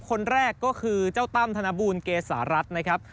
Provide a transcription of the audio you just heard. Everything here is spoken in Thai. คนแรกก็คือเจ้าตั้มธนบูลเกษารัฐนะครับ